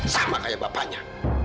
sama seperti bapaknya